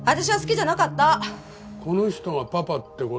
この人がパパって事は。